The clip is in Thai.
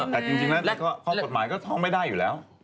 แต่จริงแล้วข้อกฎหมายก็ท้องไม่ได้อยู่แล้ว